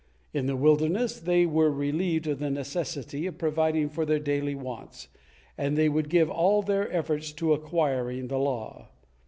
In the wilderness they were relieved of the necessity of providing for their daily wants, and they would give all their efforts to acquiring the law.